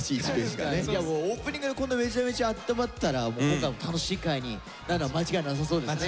オープニングでこんなめちゃめちゃあったまったら今回も楽しい回になるのは間違いなさそうですね。